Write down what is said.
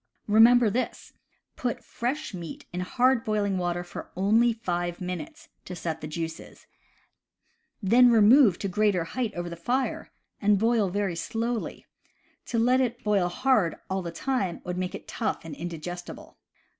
Remember this: put fresh meat in hard boiling water for only five minutes, to set the juices; then remove to greater height over the fire and boil very slowly — to let it boil hard all the time would make it tough and indigestible.